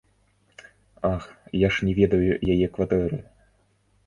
Ах, я ж не ведаю яе кватэры.